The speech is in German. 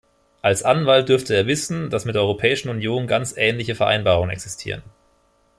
Als Anwalt dürfte er wissen, dass mit der Europäischen Union ganz ähnliche Vereinbarungen existieren.